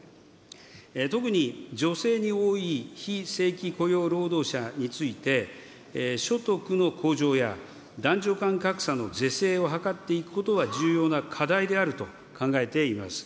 特に、女性に多い非正規雇用労働者について、所得の向上や、男女間格差の是正を図っていくことは重要な課題であると考えています。